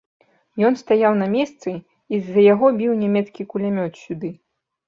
Ён стаяў на месцы, і з-за яго біў нямецкі кулямёт сюды.